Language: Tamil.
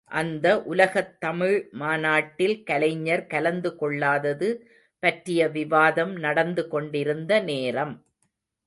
அந்த உலகத் தமிழ் மாநாட்டில் கலைஞர் கலந்து கொள்ளாதது பற்றிய விவாதம் நடந்து கொண்டிருந்த நேரம்!